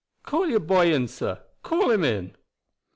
Call your boy in, sir; call him in."